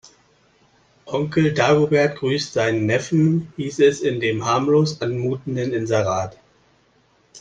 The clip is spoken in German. Onkel Dagobert grüßt seinen Neffen, hieß es in dem harmlos anmutenden Inserat.